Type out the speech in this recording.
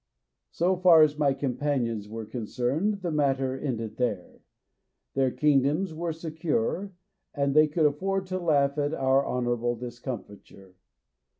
So far as my companions were concerned the matter ended there. Their kingdoms were secure, and they could afford to laugh at our honourable discomfiture.